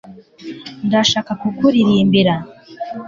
ndashaka kukuririmbira